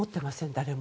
誰も。